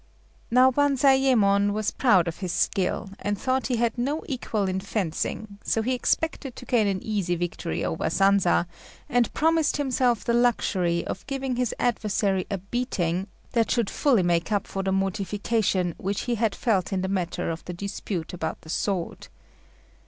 Now Banzayémon was proud of his skill, and thought he had no equal in fencing; so he expected to gain an easy victory over Sanza, and promised himself the luxury of giving his adversary a beating that should fully make up for the mortification which he had felt in the matter of the dispute about the sword.